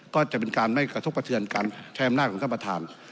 ก็จะเป็นการไม่กระทบกระเทือนการใช้อำนาจของท่านประธาน